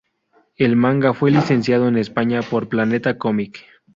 El manga fue licenciado en España por Planeta Cómic.